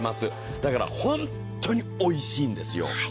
だから本当においしいんですよ。